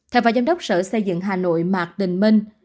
thầy và giám đốc sở xây dựng hà nội mạc đình minh